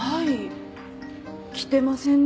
来てませんね